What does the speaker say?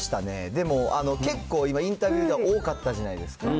でも、結構今、インタビューが多かったじゃないですか。